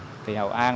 thì hội an đã cố gắng